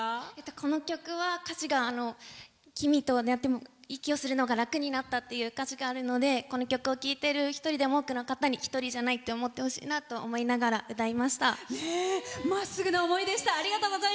この曲は、歌詞が「君と出会って息をするのが楽になった」っていう歌詞があるのでこの曲を聴いてる一人でも多くの人に一人じゃないと思ってほしいと歌いました。